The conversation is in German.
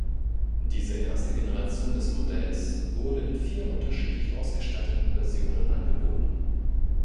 Diese erste Generation des Modells wurde in vier unterschiedlich ausgestatteten Versionen angeboten.